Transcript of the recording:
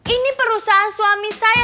ini perusahaan suami saya